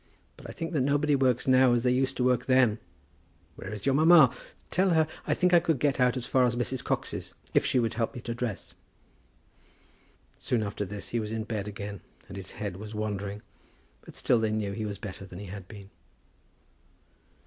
But I think that nobody works now as they used to work then. Where is your mamma? Tell her I think I could get out as far as Mrs. Cox's, if she would help me to dress." Soon after this he was in bed again, and his head was wandering; but still they knew that he was better than he had been.